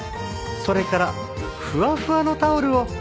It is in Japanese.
それからふわふわのタオルを。